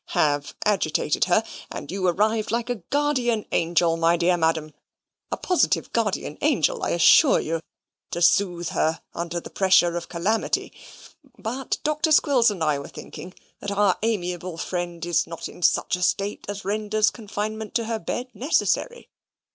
"Have agitated her: and you arrived like a guardian angel, my dear Madam, a positive guardian angel, I assure you, to soothe her under the pressure of calamity. But Dr. Squills and I were thinking that our amiable friend is not in such a state as renders confinement to her bed necessary.